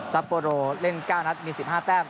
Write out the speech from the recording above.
ัปโปโรเล่น๙นัดมี๑๕แต้ม